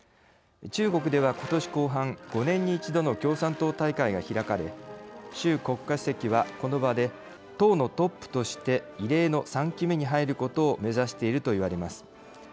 中国では、ことし後半５年に一度の共産党大会が開かれ習国家主席は、この場で党のトップとして異例の３期目に入ることを目指しているといわれます。